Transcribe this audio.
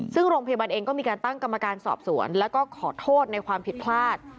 ซึ่งโรงพยาบาลเองก็มีการตั้งกรรมการสอบสวนแล้วก็ขอโทษในความผิดพลาด